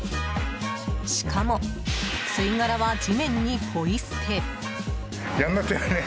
しかも、吸い殻は地面にポイ捨て。